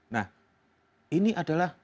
nah ini adalah